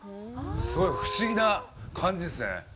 すごい不思議な感じっすね。